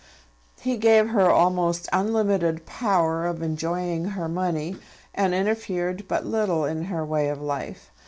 He gave her almost unlimited power of enjoying her money, and interfered but little in her way of life.